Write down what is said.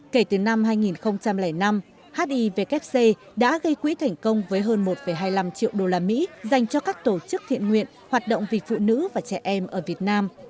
kể từ năm hai nghìn năm hivc đã gây quỹ thành công với hơn một hai mươi năm triệu đô la mỹ dành cho các tổ chức thiện nguyện hoạt động vì phụ nữ và trẻ em ở việt nam